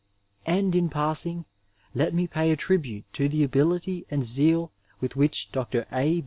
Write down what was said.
And in passing let me pay a tribute to the ability and zeal with which Dr. A.